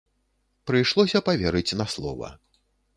Прыйшлося паверыць на слова.